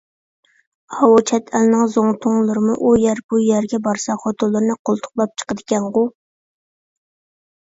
ئاۋۇ چەت ئەلنىڭ زۇڭتۇلىرىمۇ ئۇ يەر – بۇ يەرگە بارسا خوتۇنلىرىنى قولتۇقلاپ چىقىدىكەنغۇ!